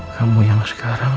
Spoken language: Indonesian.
kamu yang sekarang